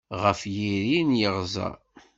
Ɣef yiri n yeɣẓeṛ.